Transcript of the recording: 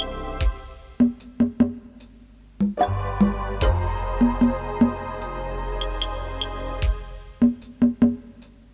aku mauk mak penggant justo sekarang tuh